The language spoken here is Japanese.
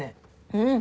うん。